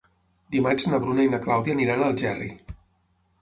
Dimarts na Bruna i na Clàudia aniran a Algerri.